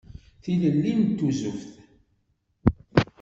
Tilelli n tuzzuft.